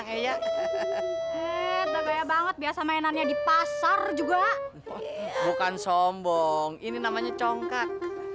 kayak banget biasa mainannya di pasar juga bukan sombong ini namanya congkat